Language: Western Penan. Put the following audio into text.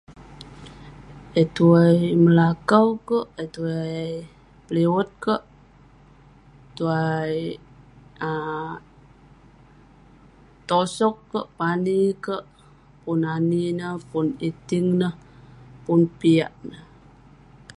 Eh tuai melakau kek, eh tuai peliwet kek, tuai um tosog kek, pani kek. Pun ani neh, pun iting neh, pun piak neh.